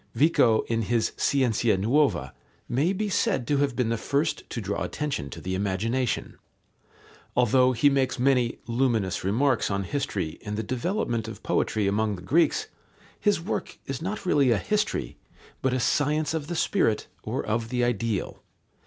Vico, in his Scienza nuova, may be said to have been the first to draw attention to the imagination. Although he makes many luminous remarks on history and the development of poetry among the Greeks, his work is not really a history, but a science of the spirit or of the ideal.